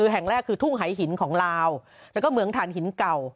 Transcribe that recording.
แห่งแรกคือทุ่งหายหินของลาวแล้วก็เหมืองฐานหินเก่า